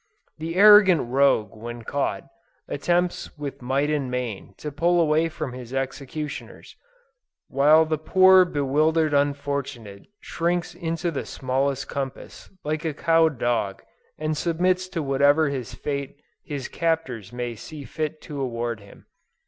The arrant rogue when caught, attempts with might and main, to pull away from his executioners, while the poor bewildered unfortunate shrinks into the smallest compass, like a cowed dog, and submits to whatever fate his captors may see fit to award him.